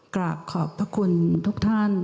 กราบขอบพระคุณทุกท่าน